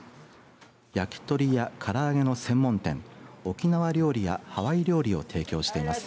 焼き鳥や、から揚げの専門店沖縄料理やハワイ料理を提供しています。